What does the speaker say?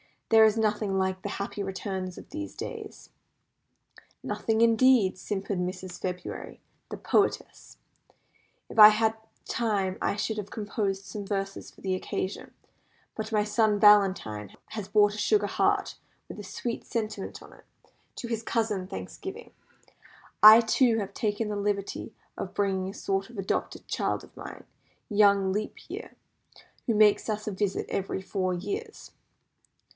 "There is nothing like the happy returns of these days." "Nothing, indeed," simpered Mrs. February, the poetess. "If I had had time I should have composed some verses for the occasion; but my son Valentine has brought a sugar heart, with a sweet sentiment on it, to his cousin Thanksgiving. I, too, have taken the liberty of bringing a sort of adopted child of mine, young Leap Year, who makes us a visit every four years."